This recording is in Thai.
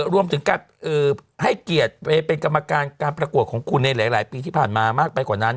รวมถึงการให้เกียรติไปเป็นกรรมการการประกวดของคุณในหลายปีที่ผ่านมามากไปกว่านั้น